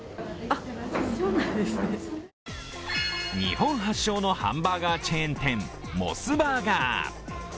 日本発祥のハンバーガーチェーン店、モスバーガー。